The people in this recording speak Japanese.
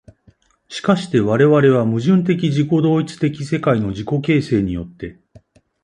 而して我々は矛盾的自己同一的世界の自己形成によって、